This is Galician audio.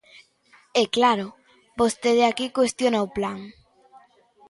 E, claro, vostede aquí cuestiona o plan.